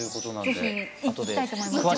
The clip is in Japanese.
是非行きたいと思います。